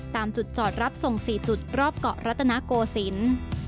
ตามจุดจอดรับส่ง๔จุดรอบเกาะรัตนโกศิลป์